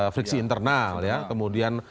friksi internal ya kemudian